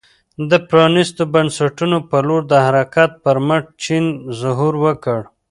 د پرانیستو بنسټونو په لور د حرکت پر مټ چین ظهور وکړ.